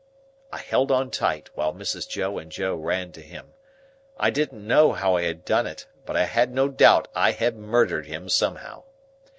I held on tight, while Mrs. Joe and Joe ran to him. I didn't know how I had done it, but I had no doubt I had murdered him somehow.